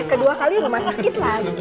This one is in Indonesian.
kedua kali rumah sakit lah